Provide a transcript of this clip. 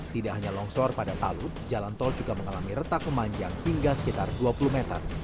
tidak hanya longsor pada talut jalan tol juga mengalami retak memanjang hingga sekitar dua puluh meter